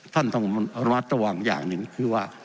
ท่านต้องระมัดระวังอย่างหนึ่งคือว่า